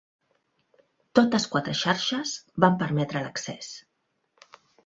Totes quatre xarxes van permetre l'accés.